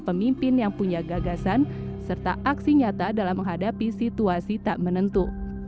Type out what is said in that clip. pemimpin yang punya gagasan serta aksi nyata dalam menghadapi situasi tak menentu